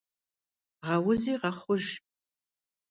Гъэузи гъэхъуж.